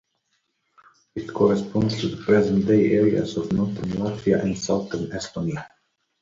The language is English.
It corresponds to the present-day areas of northern Latvia and southern Estonia.